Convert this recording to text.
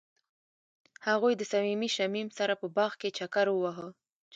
هغوی د صمیمي شمیم سره په باغ کې چکر وواهه.